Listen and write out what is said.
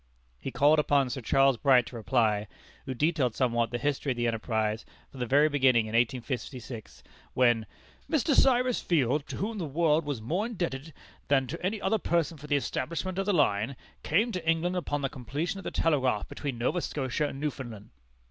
He called upon Sir Charles Bright to reply, who detailed somewhat the history of the enterprise from the very beginning in 1856, when "Mr. Cyrus Field, to whom the world was more indebted than to any other person for the establishment of the line, came to England upon the completion of the telegraph between Nova Scotia and Newfoundland."